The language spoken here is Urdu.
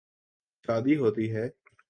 شادی ہوتی ہے۔